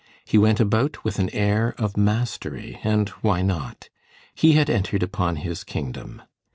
He went about with an air of mastery, and why not? He had entered upon his kingdom.